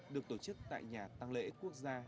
được tổ chức tại nhà tăng lễ quốc gia